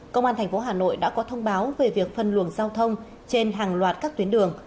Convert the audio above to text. công an thành phố hà nội đã có thông báo về việc phân luồng giao thông trên hàng loạt các tuyến đường